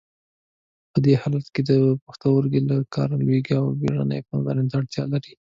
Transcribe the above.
په دې حالت کې پښتورګي له کاره لویږي او بیړنۍ پاملرنې ته اړتیا لري.